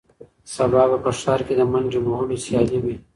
سبا به په ښار کې د منډې وهلو سیالي وي.